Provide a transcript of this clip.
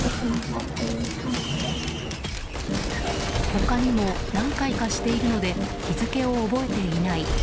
他にも何回かしているので日付を覚えていない。